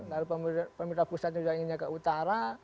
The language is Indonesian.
lalu pemimpin daerah pusatnya juga inginnya ke utara